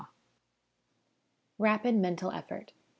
Rapid Mental Effort.